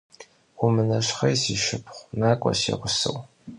Vumıneşxhêy, di şşıpxhu, nak'ue si ğuseu.